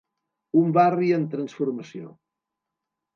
Un barri en transformació.